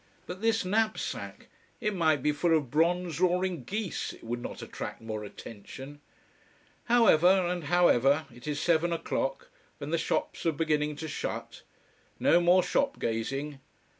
But this knapsack! It might be full of bronze roaring geese, it would not attract more attention! However, and however, it is seven o'clock, and the shops are beginning to shut. No more shop gazing.